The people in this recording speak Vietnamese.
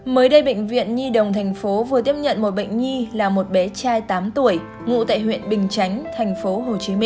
mới đây bệnh viện nhi đồng tp vừa tiếp nhận một bệnh nhi là một bé trai tám tuổi ngụ tại huyện bình chánh tp hcm